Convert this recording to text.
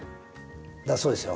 だそうですよ